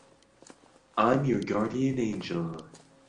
I'm your guardian angel.